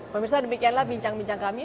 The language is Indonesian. pemirsa demikianlah bincang bincang kami